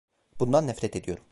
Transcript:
Bundan nefret ediyorum.